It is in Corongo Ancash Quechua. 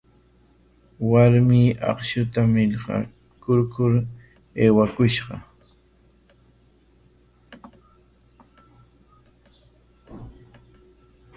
Warmi akshuta millqakurkur aywakushqa.